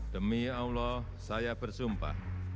demi allah saya bersumpah